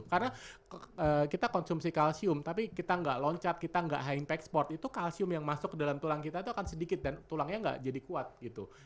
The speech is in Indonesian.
karena kita konsumsi kalsium tapi kita gak loncat kita gak high impact sport itu kalsium yang masuk ke dalam tulang kita itu akan sedikit dan tulangnya gak jadi kuat gitu